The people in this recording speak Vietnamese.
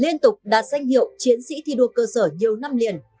liên tục đạt danh hiệu chiến sĩ thi đua cơ sở nhiều năm liền